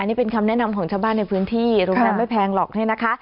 นี่เป็นคำแนะนำของชาวบ้านในพื้นที่โรงแรมไม่แพงหรอกเนี่ยนะคะ